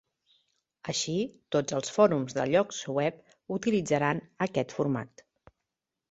Així, tots els fòrums de llocs web utilitzaran aquest format.